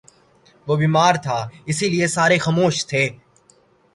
وہ بیمار تھا، اسی لئیے سارے خاموش تھے